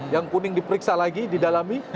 yang kuning diperiksa lagi di dalami